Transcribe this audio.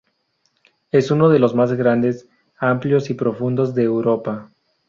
Es uno de los más grandes, amplios y profundos de Europa.